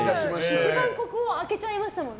一番、距離開けちゃいましたもんね。